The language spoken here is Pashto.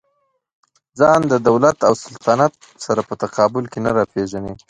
ځان د دولت او سلطنت سره په تقابل کې نه راپېژني.